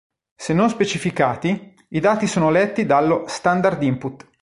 Se non specificati, i dati sono letti dallo "standard input".